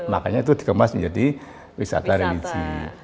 makanya itu dikemas menjadi wisata religi